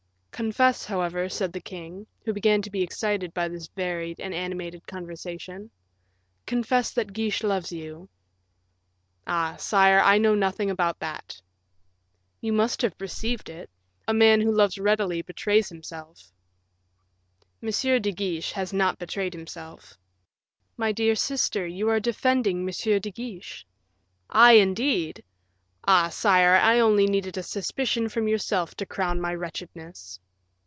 "Confess, however," said the king, who began to be excited by this varied and animated conversation; "confess that Guiche loves you." "Ah! sire, I know nothing about that." "You must have perceived it. A man who loves readily betrays himself." "M. de Guiche has not betrayed himself." "My dear sister, you are defending M. de Guiche." "I, indeed! Ah, sire, I only needed a suspicion from yourself to crown my wretchedness."